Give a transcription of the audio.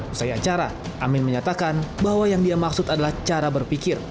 usai acara amin menyatakan bahwa yang dia maksud adalah cara berpikir